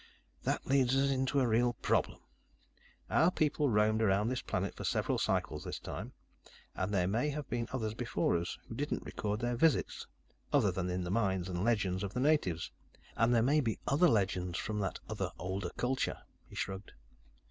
"That leads us into a real problem. Our people roamed around this planet for several cycles this time. And there may have been others before us, who didn't record their visits, other than in the minds and legends of the natives. And there may be other legends from that other, older culture." He shrugged.